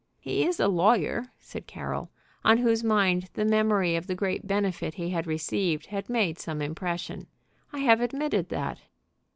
"He is a lawyer," said Carroll, on whose mind the memory of the great benefit he had received had made some impression. "I have admitted that."